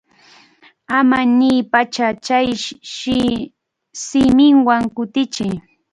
Ama niypacha chay simiwan kutichiy.